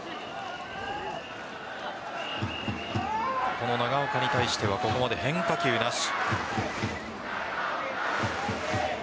この長岡に対してはここまで変化球なし。